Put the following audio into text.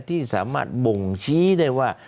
ที่สามารถบ่งชี้ได้ว่า